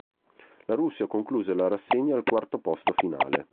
La Russia concluse la rassegna al quarto posto finale.